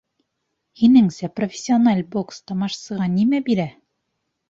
— Һинеңсә, профессиональ бокс тамашасыға нимә бирә?